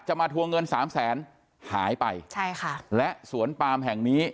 มาทวงเงินสามแสนหายไปใช่ค่ะและสวนปามแห่งนี้